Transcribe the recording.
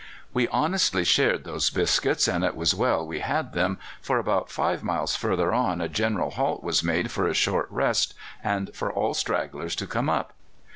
"We honestly shared those biscuits, and it was well we had them, for about five miles further on a general halt was made for a short rest and for all stragglers to come up.